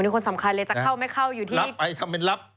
เข้าไหมเข้าถึงที่